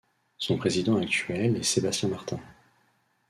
Son président actuel est Sébastien Martin.